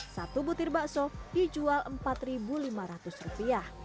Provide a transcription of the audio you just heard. satu butir bakso dijual rp empat lima ratus